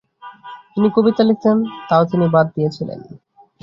তিনি কবিতা লিখতেন, তাও তিনি বাদ দিয়েছিলেন।